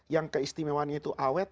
yang keistimewaan itu awet